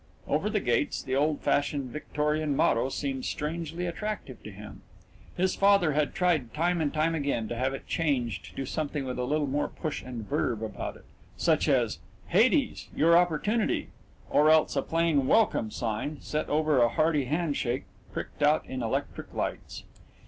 Over the gates the old fashioned Victorian motto seemed strangely attractive to him. His father had tried time and time again to have it changed to something with a little more push and verve about it, such as "Hades Your Opportunity," or else a plain "Welcome" sign set over a hearty handshake pricked out in electric lights.